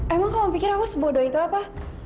emang kamu pikir aku sebodoh itu apa